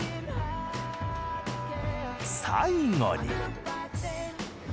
最後に。